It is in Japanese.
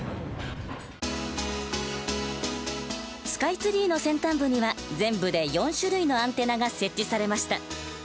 スカイツリーの先端部には全部で４種類のアンテナが設置されました。